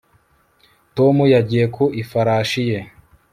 Tom yagiye ku ifarashi ye